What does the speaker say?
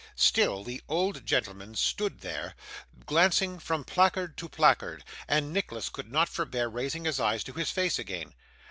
Still, the old gentleman stood there, glancing from placard to placard, and Nicholas could not forbear raising his eyes to his face again.